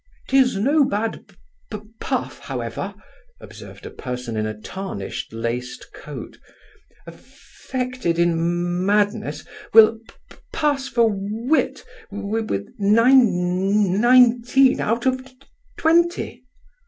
''Tis no bad p p puff, however (observed a person in a tarnished laced coat): aff ffected in madness w will p pass for w wit w with nine ninet teen out of t twenty.